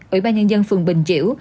ủy ban nhân dân phường bình chiểu